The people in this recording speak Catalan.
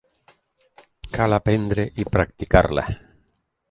Cal aprendre i practicar-la.